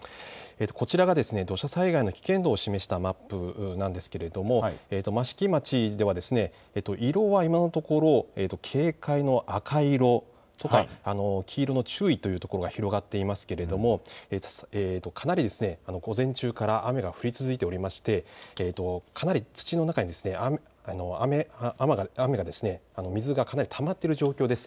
こちらが土砂災害の危険度を示したマップなんですが益城町では色は今のところ警戒の赤色、黄色の注意というところが広がっていますけれどもかなり午前中から雨が降り続いておりましてかなり土の中に雨が、水がかなりたまっている状況です。